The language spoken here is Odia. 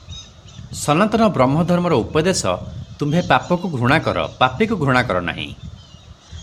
ସନାତନ ବ୍ରହ୍ମଧର୍ମର ଉପଦେଶ ତୁମ୍ଭେ ପାପକୁ ଘୃଣା କର, ପାପୀକୁ ଘୃଣା କର ନାହିଁ ।